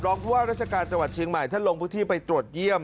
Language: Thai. ผู้ว่าราชการจังหวัดเชียงใหม่ท่านลงพื้นที่ไปตรวจเยี่ยม